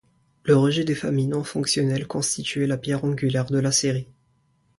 Le rejet des familles non fonctionnelles constituait la pierre angulaire de la série.